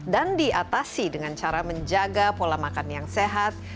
dan diatasi dengan cara menjaga pola makan yang sehat